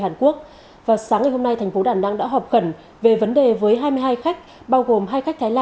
hàn quốc sáng ngày hôm nay thành phố đà nẵng đã họp khẩn về vấn đề với hai mươi hai khách bao gồm hai khách